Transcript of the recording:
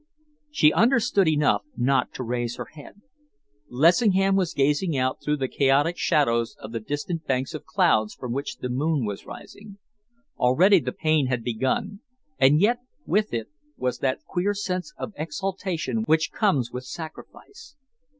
She understood enough not to raise her head. Lessingham was gazing out through the chaotic shadows of the distant banks of clouds from which the moon was rising. Already the pain had begun, and yet with it was that queer sense of exaltation which comes with sacrifice.